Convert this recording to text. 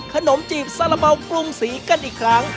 ขนมจีบซาระเบาปรุงสีกันอีกครั้ง